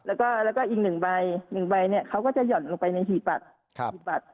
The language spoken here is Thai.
แล้วก็แล้วก็อีกหนึ่งใบหนึ่งใบเนี้ยเขาก็จะหย่อนลงไปในหีดบัตรครับ